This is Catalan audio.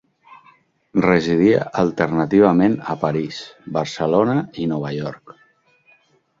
Residia alternativament a París, Barcelona i Nova York.